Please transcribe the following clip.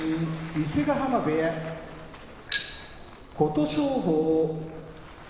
伊勢ヶ濱部屋琴勝峰